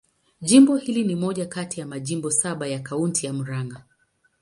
Jimbo hili ni moja kati ya majimbo saba ya Kaunti ya Murang'a.